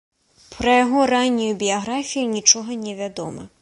Пра яго раннюю біяграфію нічога не вядома.